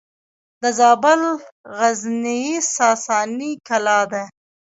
د زابل غزنیې ساساني کلا ده